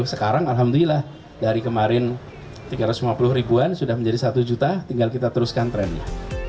sekarang alhamdulillah dari kemarin tiga ratus lima puluh ribuan sudah menjadi satu juta tinggal kita teruskan trendnya